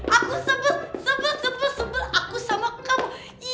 aku sebel sebel sebel sebel aku sama kamu